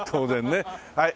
はい。